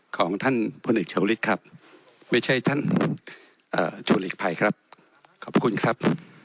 ของท่านชาวฤกษ์ครับไม่ใช่ท่านอ่าชูนิกภัยครับขอบคุณครับ